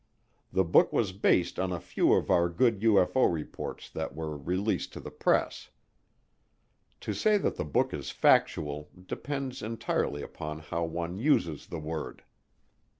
The book was based on a few of our good UFO reports that were released to the press. To say that the book is factual depends entirely upon how one uses the word.